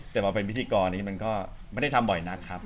แต่มาเป็นพิธีกรนี้มันก็ไม่ได้ทำบ่อยนักครับ